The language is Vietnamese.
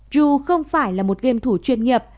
yu không phải là một game thủ chuyên nghiệp